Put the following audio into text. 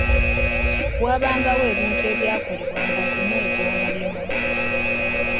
Waabangawo ebintu ebyakolebwanga okunyweza omuliraano.